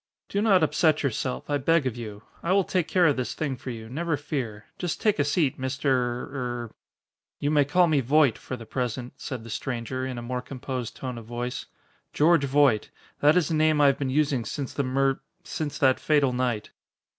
"Do not upset yourself, I beg of you. I will take care of this thing for you, never fear. Just take a seat, Mister er " "You may call me Voight for the present," said the stranger, in a more composed tone of voice, "George Voight. That is the name I have been using since the mur since that fatal night."